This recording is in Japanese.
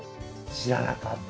知らなかった。